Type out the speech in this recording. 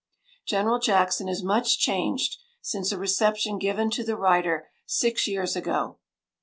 General Jackson is much changed since a reception given to the writer six years ago.